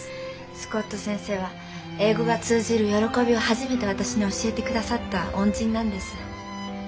スコット先生は英語が通じる喜びを初めて私に教えて下さった恩人なんです。